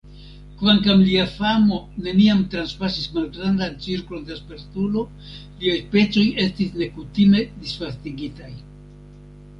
Kvankam lia famo neniam transpasis malgrandan cirklon da spertulo, liaj pecoj estis nekutime disvastigitaj.